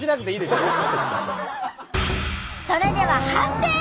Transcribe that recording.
それでは判定！